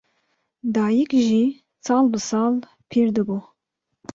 Dayîk jî sal bi sal pîr dibû